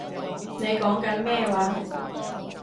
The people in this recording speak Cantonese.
你講緊咩話